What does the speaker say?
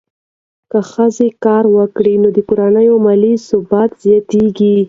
که ښځه کار وکړي، نو د کورنۍ مالي ثبات زیاتېږي.